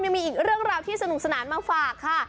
ยังมีอีกเรื่องราวที่สนุกสนานมาฝากค่ะ